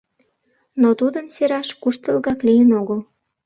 Но тудым сераш куштылгак лийын огыл.